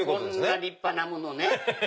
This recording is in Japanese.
こんな立派なものね。